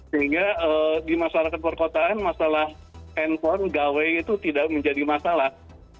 sehingga di masyarakat perkotaan masalah handphone gawe itu tidak menjadi masalah